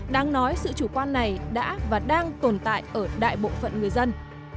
đáng nói sự chủ quan này đã và đang tồn tại ở đại bộ phận người dân